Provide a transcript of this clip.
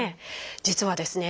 実はですね